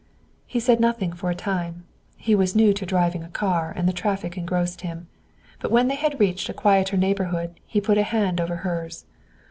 He said nothing for a time. He was new to driving a car, and the traffic engrossed him. But when they had reached a quieter neighborhood he put a hand over hers.